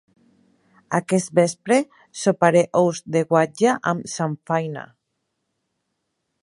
Aquest vespre soparé ous de guatlla amb samfaina